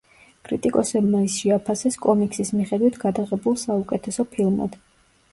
კრიტიკოსებმა ის შეაფასეს კომიქსის მიხედვით გადაღებულ საუკეთესო ფილმად.